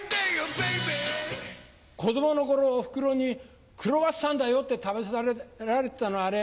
Ｂａｂｙ子供の頃おふくろに「クロワッサンだよ」って食べさせられてたのあれ